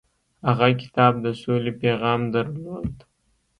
هغه کتاب د سولې پیغام درلود.